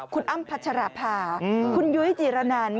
คุณอ้ำพัชราภาคุณยุ้ยจีรนัน